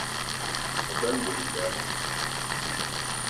Ag͡bela ngoul i nda.